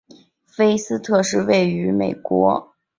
菲斯特是位于美国亚利桑那州阿帕契县的一个非建制地区。